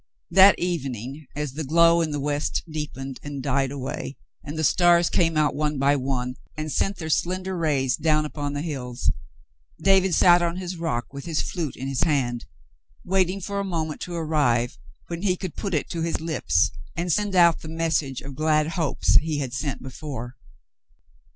That evening, as the glow in the west deepened and died away and the stars came out one by one and sent their slender rays down upon the hills, David sat on his rock with his flute in his hand, waiting for a moment to arrive when he could put it to his lips and send out the message of glad hopes he had sent before.